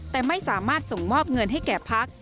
แต่ไม่สามารถส่งมอบเงินให้แก่พัก